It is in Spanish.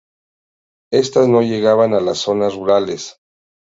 Estas no llegaban a las zonas rurales.